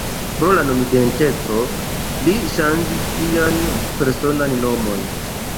Pro la nomidenteco li ŝanĝis sian personan nomon.